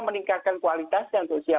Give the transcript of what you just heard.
meningkatkan kualitas yang tersedia